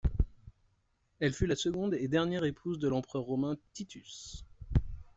Elle fut la seconde et dernière épouse de l’empereur romain Titus.